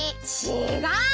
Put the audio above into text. ちがう！